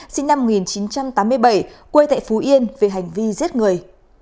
sinh năm một nghìn chín trăm tám mươi bảy quê tại phú yên về hành vi giết người